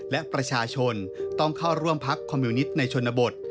และประชาชนต้องเข้าร่วมพักคอมมิวนิตในชนบท